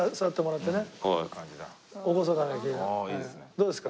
どうですか？